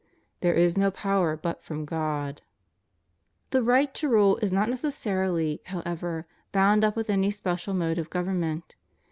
There is no power but from God} The right to rule is not necessarily, however, bound up with any special mode of government.